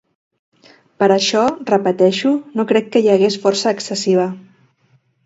Per això, repeteixo, no crec que hi hagués força excessiva.